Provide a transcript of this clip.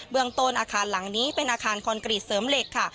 เมืองต้นอาคารหลังนี้เป็นอาคารคอนกรีตเสริมเหล็กค่ะ